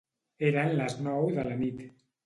Eren les nou de la nit.